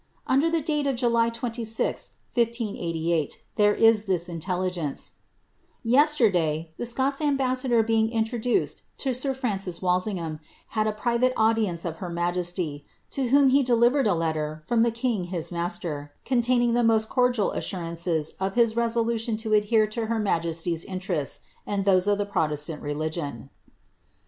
Under the date of July 26, 1588, there is this intelligence :—^ Yesterday, the Scots' ambassador being introduced to sir Francis Walsingham, had a private audience of her majesty, to whom he delivered a letter from the king, his master, containing the most cordial assurances of his reso lution to adhere to her majesty's interests and those of the protestant religion."